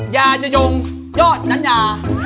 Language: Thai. ยายยกยอดนอยา